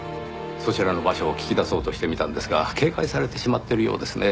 そちらの場所を聞き出そうとしてみたんですが警戒されてしまってるようですね。